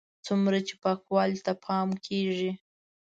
څومره چې پاکوالي ته پام کېږي.